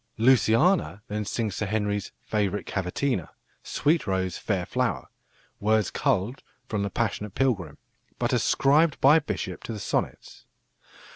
Luciana then sings Sir Henry's "favourite cavatina," "Sweet rose, fair flower," words culled from The Passionate Pilgrim, but ascribed by Bishop to the Sonnets.